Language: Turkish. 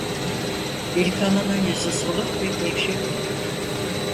Delikanlının yüzü soluk ve gevşekti.